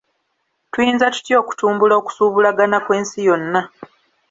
Tuyinza tutya okutumbula okusuubulagana kw'ensi yonna.